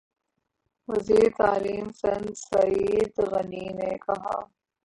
وزیر تعلیم سندھ سعید غنی نےکہا